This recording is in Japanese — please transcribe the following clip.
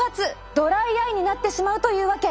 ドライアイになってしまうというわけ。